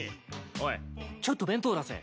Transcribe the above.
おいちょっと弁当出せ。